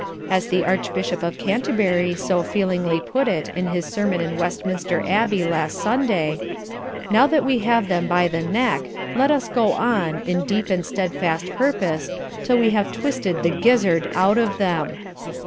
As the Archbishop of Canterbury so feelingly put it in his sermon in Westminster Abbey last Sunday, 'Now that we have them by the neck let us go on, in deep and steadfast purpose, till we have twisted the gizzard out of them.'